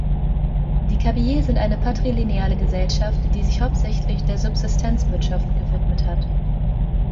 Die Kabiyé sind eine patrilineale Gesellschaft, die sich hauptsächlich der Subsistenzwirtschaft gewidmet hat.